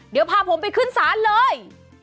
เดี๋ยวพาผมไปขึ้นศาลเลย